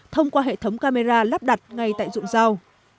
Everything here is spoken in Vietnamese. thông qua hệ thống camera lắp đặt ngay tại dụng rau